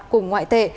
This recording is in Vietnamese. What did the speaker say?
cùng ngoại tệ